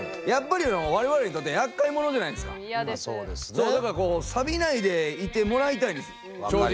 そうだからこうサビないでいてもらいたいんです正直。